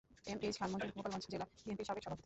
M H Khan Manzur Gopalganj জেলা বিএনপির সাবেক সভাপতি।